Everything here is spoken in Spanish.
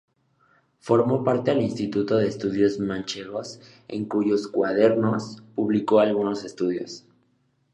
Formó parte del Instituto de Estudios Manchegos, en cuyos "Cuadernos" publicó algunos estudios.